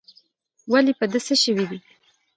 ولي په ده څه سوي دي؟